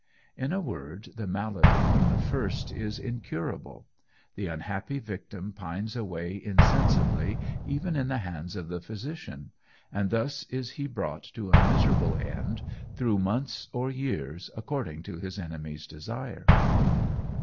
In a word, the malady from the first is incurable; the unhappy victim pines away insensibly even in the hands of the physician, and thus is he brought to a miserable end through months or years, according to his enemy's desire."